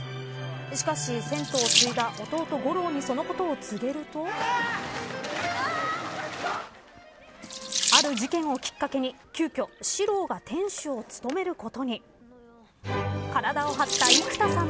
しかし、銭湯を継いだ弟、悟朗に、そのことを告げるとある事件をきっかけに急きょ、史朗がさて映画、湯道